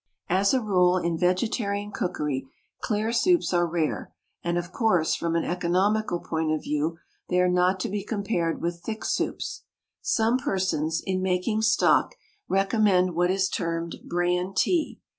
As a rule, in vegetarian cookery clear soups are rare, and, of course, from an economical point of view, they are not to be compared with thick soups. Some persons, in making stock, recommend what is termed bran tea.